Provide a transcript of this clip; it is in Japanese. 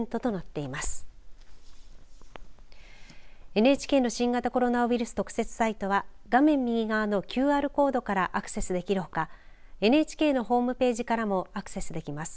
ＮＨＫの新型コロナウイルス特設サイトは画面右側のＱＲコードからアクセスできるほかＮＨＫのホームページからもアクセスできます。